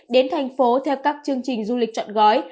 đến thành phố theo các chương trình du lịch chọn gói